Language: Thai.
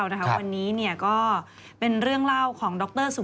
วันนี้ก็เป็นเรื่องเล่าของดรสุ